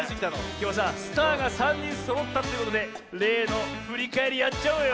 きょうはさスターが３にんそろったってことでれいのふりかえりやっちゃおうよ。